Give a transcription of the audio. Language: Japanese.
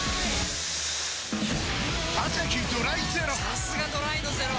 さすがドライのゼロ！